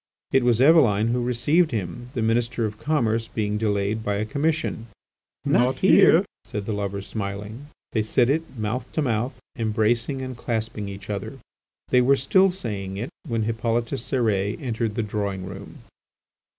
It was Eveline who received him, the Minister of Commerce being delayed by a commission. "Not here!" said the lovers, smiling. They said it, mouth to mouth, embracing, and clasping each other. They were still saying it, when Hippolyte Cérès entered the drawing room.